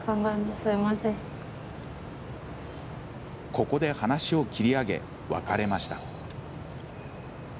ここで話を切り上げ、別れました。